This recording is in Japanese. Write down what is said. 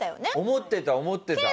思ってた思ってた。